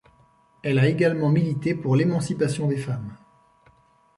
Elle a également milité pour l'émancipation des femmes.